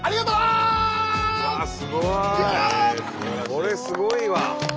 これすごいわ。